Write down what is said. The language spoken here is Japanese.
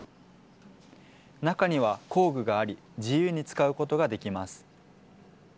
中には工具があり、自由に使うことができます。